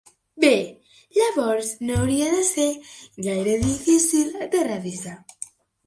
Bé, llavors no hauria de ser gaire difícil de revisar.